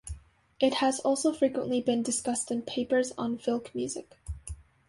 It has also frequently been discussed in papers on filk music.